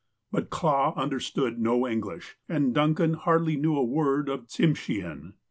But Clah understood no English, and Duncan hardly knew a word of Tsimshean.